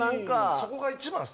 そこが一番です